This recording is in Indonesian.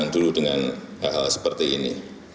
dulu dengan hal hal seperti ini